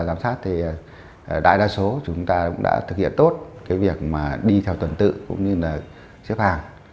giám sát thì đại đa số chúng ta cũng đã thực hiện tốt cái việc mà đi theo tuần tự cũng như là xếp hàng